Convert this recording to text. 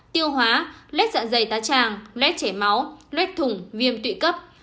tiêu hóa lét dạng dày tá tràng lét chảy máu lét thủng viêm tụy cấp